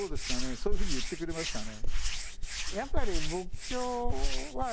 そういうふうに言ってくれますかね？